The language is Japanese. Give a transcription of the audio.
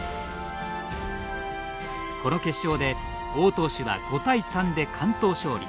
この決勝で王投手は５対３で完投勝利。